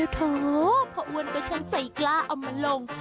โทษเพราะอวนกับฉันใส่กล้าเอามาลง